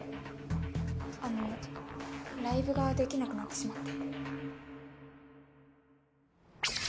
あのライブができなくなってしまって。